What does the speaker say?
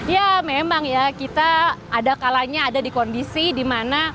ya memang ya kita ada kalanya ada di kondisi di mana